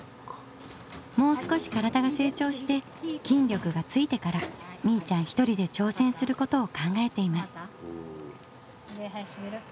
もう少し体が成長して筋力がついてからみいちゃんひとりで挑戦することを考えています。